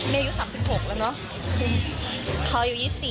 แล้วเขา